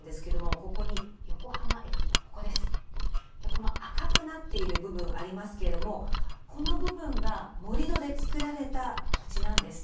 この赤くなっている部分ありますけれどもこの部分が盛り土でつくられた土地なんです。